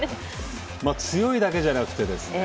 強いだけじゃなくてですね